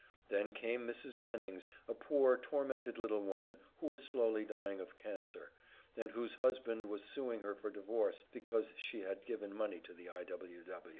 Then came Mrs. Jennings, a poor, tormented little woman who was slowly dying of a cancer, and whose husband was suing her for divorce because she had given money to the I. W.